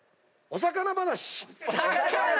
お魚話！